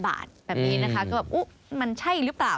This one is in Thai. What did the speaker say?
บาทแบบนี้นะคะก็แบบอุ๊มันใช่หรือเปล่า